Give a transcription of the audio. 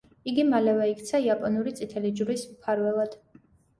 იგი მალევე იქცა იაპონური წითელი ჯვრის მფარველად.